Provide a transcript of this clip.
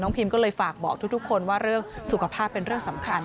พิมก็เลยฝากบอกทุกคนว่าเรื่องสุขภาพเป็นเรื่องสำคัญ